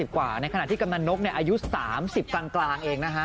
กว่าในขณะที่กำลังนกอายุ๓๐กลางเองนะฮะ